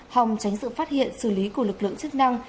hòng tránh sự phát hiện xử lý của lực lượng chức năng